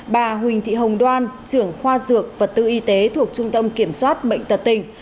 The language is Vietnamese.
bà huỳnh thị hồng đoan trưởng khoa dược vật tư y tế thuộc trung tâm kiểm soát bệnh tật tỉnh